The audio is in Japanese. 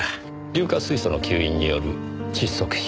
硫化水素の吸引による窒息死。